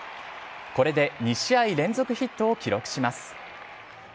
これで２試合連続ヒットを記録します。